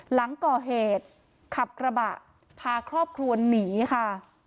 หลังก่อเหตุขับกระบะพาครอบครัวหนีค่ะ